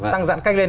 tăng giãn cách lên